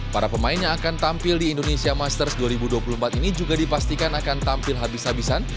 para pemain yang akan tampil di indonesia masters dua ribu dua puluh empat ini juga dipastikan akan tampil habis habisan